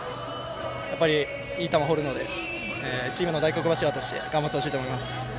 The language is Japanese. いい球を放るのでチームの大黒柱として頑張ってほしいと思います。